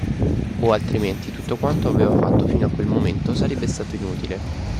O altrimenti tutto quanto aveva fatto fino a quel momento sarebbe stato inutile.